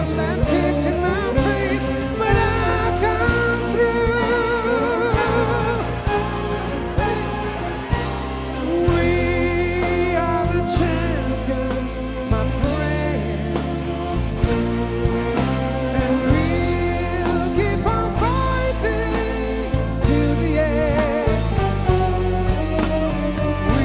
sampaikan untuk mas ganjar tanung